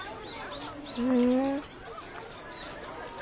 ふん。